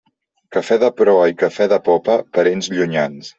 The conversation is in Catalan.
Café de proa i café de popa, parents llunyans.